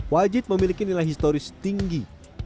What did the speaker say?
wajib memiliki nilai historis tinggi